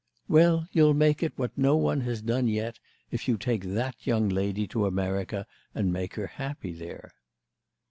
"Well, you'll make it what no one has done yet if you take that young lady to America and make her happy there."